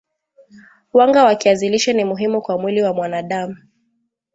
Wanga wa kiazi lishe ni muhimu kwa mwili wa mwanadam